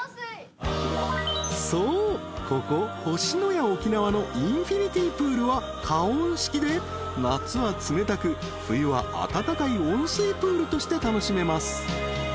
［そうここ星のや沖縄のインフィニティプールは加温式で夏は冷たく冬は温かい温水プールとして楽しめます］